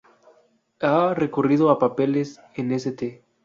Ha recurrido a papeles en "St.